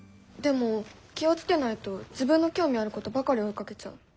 でも気を付けないと自分の興味あることばかり追いかけちゃう。